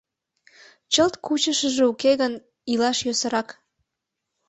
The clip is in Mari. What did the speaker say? Чылт кучышыжо уке гын, илаш йӧсырак.